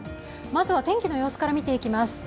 まずは天気の様子から見ていきます。